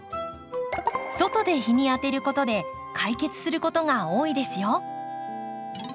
外で日に当てることで解決することが多いですよ。